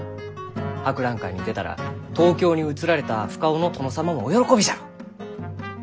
博覧会に出たら東京に移られた深尾の殿様もお喜びじゃろう！